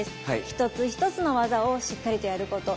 一つ一つの技をしっかりとやること。